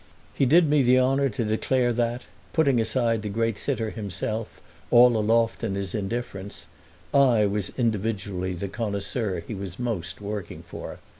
He did me the honour to declare that, putting aside the great sitter himself, all aloft in his indifference, I was individually the connoisseur he was most working for.